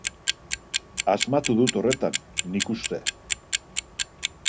Asmatu dut horretan, nik uste.